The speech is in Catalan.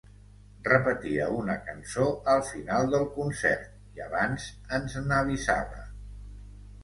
Repetia una cançó al final del concert, i abans ens n'avisava.